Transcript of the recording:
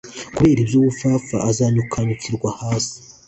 kubera iby'ubupfapfa azanyukanyukirwa hasi